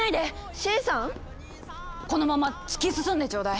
シエリさん⁉このまま突き進んでちょうだい！